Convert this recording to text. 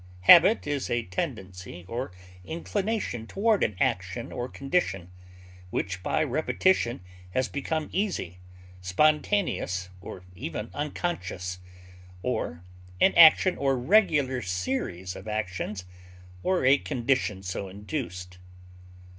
Habit is a tendency or inclination toward an action or condition, which by repetition has become easy, spontaneous, or even unconscious, or an action or regular series of actions, or a condition so induced.